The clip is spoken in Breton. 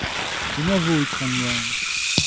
Kenavo Itron Louarn.